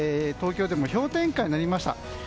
東京でも氷点下になりました。